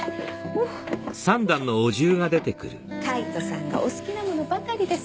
カイトさんがお好きなものばかりです。